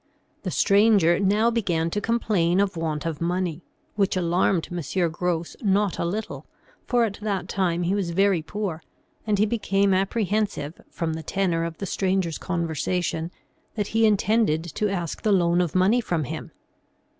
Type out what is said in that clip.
The stranger now began to complain of want of money, which alarmed M. Gros not a little, for at that time he was very poor, and he became apprehensive, from the tenor of the stranger's conversation, that he intended to ask the loan of money from him.